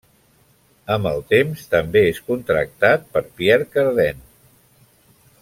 Amb el temps també és contractat per Pierre Cardin.